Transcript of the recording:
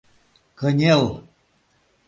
Кынел!